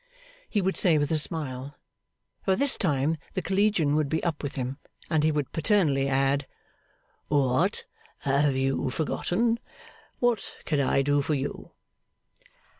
he would say, with a smile. By this time the collegian would be up with him, and he would paternally add, VWhat have you forgotten? What can I do for you?